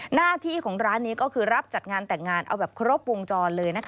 หน้าที่ของร้านนี้ก็คือรับจัดงานแต่งงานเอาแบบครบวงจรเลยนะคะ